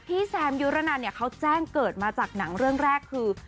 พี่แซมยื้อระนันเขาแจ้งเกิดมาจากหนังเรื่องแรกคือ